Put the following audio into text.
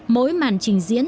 mỗi màn trình diễn